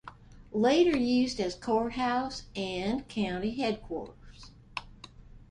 Later used as court house and county headquarters.